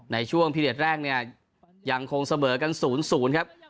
ในช่วงพิเศษแรกเนี่ยยังคงเสบอกันศูนย์ศูนย์ครับ